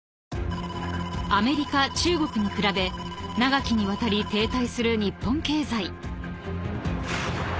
［アメリカ中国に比べ長きにわたり停滞する日本経済］